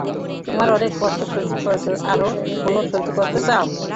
তোমরা অনেক কষ্ট সহ্য করেছ আরও কেন সহ্য করতে চাও?